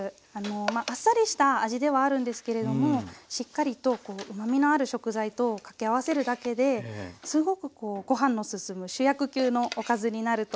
あっさりした味ではあるんですけれどもしっかりとうまみのある食材とを掛け合わせるだけですごくこうご飯の進む主役級のおかずになると思います。